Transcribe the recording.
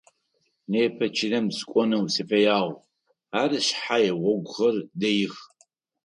Непэ чылэм сыкӏонэу сыфэягъ, ары шъхьай гъогухэр дэих.